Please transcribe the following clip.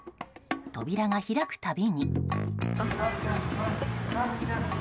扉が開くたびに。